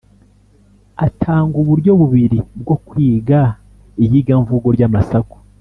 atanga uburyo bubiri bwo kwiga iyigamvugo ry’amasaku.